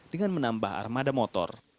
dengan menambah armada motor